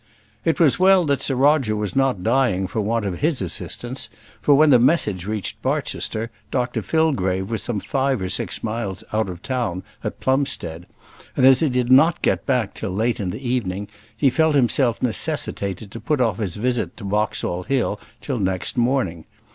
It was well that Sir Roger was not dying for want of his assistance, for when the message reached Barchester, Dr Fillgrave was some five or six miles out of town, at Plumstead; and as he did not get back till late in the evening, he felt himself necessitated to put off his visit to Boxall Hill till next morning.